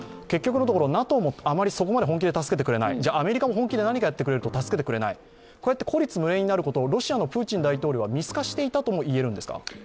結局のところ、ＡＴＯもあまりそこまで本気で助けてくれない、じゃアメリカも本気で何かやってくれるとも助けてくれない、こうやって孤立無援になることはプーチン大統領は見透かしていたんですか？